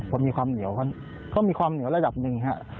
พอมีความเหนียวก็มีความเหนียวระดับหนึ่งฮะ